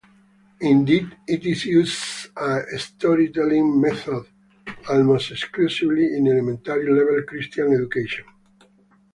Indeed, it is used as a storytelling method almost exclusively in elementary-level Christian education.